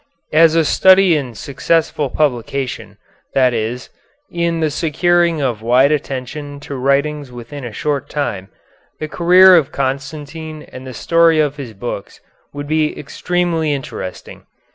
As a study in successful publication, that is, in the securing of wide attention to writings within a short time, the career of Constantine and the story of his books would be extremely interesting.